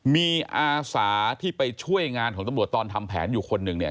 มีอาสาที่ไปช่วยงานของตำรวจตอนทำแผนอยู่คนหนึ่งเนี่ย